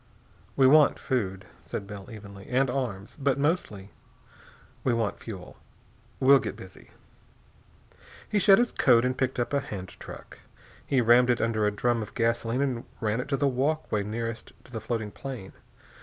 "We want food," said Bell evenly, "and arms, but mostly we want fuel. We'll get busy." He shed his coat and picked up a hand truck. He rammed it under a drum of gasoline and ran it to the walkway nearest to the floating plane.